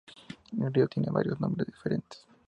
El río tiene varios nombres diferentes.